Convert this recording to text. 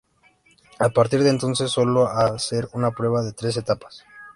A partir de entonces pasó a ser una prueba de tres etapas.